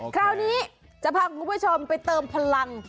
คราวนี้จะพาคุณผู้ชมไปเติมพลัง